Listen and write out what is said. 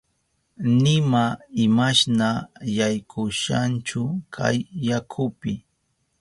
Nima imashna yaykushanchu kay yakupi.